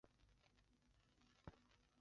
这是土耳其东黑海地区的区域统计资料。